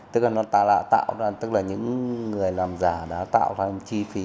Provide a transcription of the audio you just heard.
tức là nó đã tạo ra tức là những người làm giả đã tạo ra chi phí